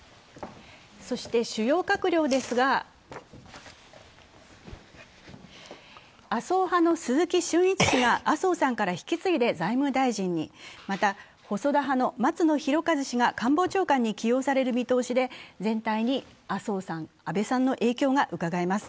そして主要閣僚ですが、麻生派の鈴木俊一氏が麻生さんから引き継いで財務大臣に、また、細田派の松野博一氏が官房長官に起用される見通しで、全体に麻生さん、安倍さんの影響がうかがえます。